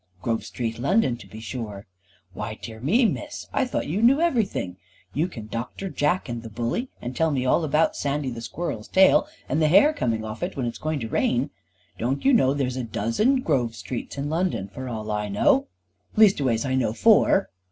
"Grove Street, London, to be sure." "Why, dear me, Miss, I thought you knew everything; you can doctor Jack, and the Bully, and tell me all about Sandy the squirrel's tail and the hair coming off and when it's going to rain! Don't you know there's a dozen Grove Streets in London, for all I know. Leastways I knows four."